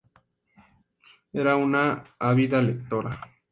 Era una ávida lectora.